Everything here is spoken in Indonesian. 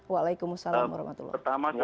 wa'alaikum salam warahmatullah